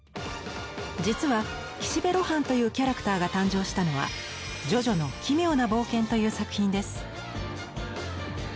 実は「岸辺露伴」というキャラクターが誕生したのは「ジョジョの奇妙な冒険」という作品です。